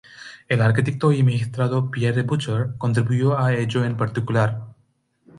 El arquitecto y magistrado Pierre Bucher contribuyó a ello en particular.